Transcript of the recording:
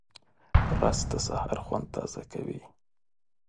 رس د سهار خوند تازه کوي